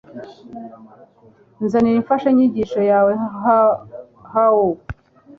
Nzanira Imfashanyigisho yawe hao